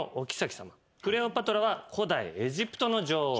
クレオパトラは古代エジプトの女王。